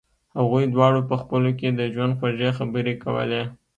هغوی دواړو په خپلو کې د ژوند خوږې خبرې کولې